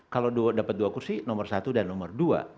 kalau dapat dua kursi nomor satu dan nomor dua